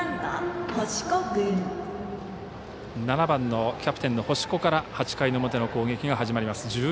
７番のキャプテンの星子から８回の表の攻撃が始まります。